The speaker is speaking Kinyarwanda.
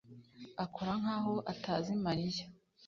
akora nkaho atazi Mariya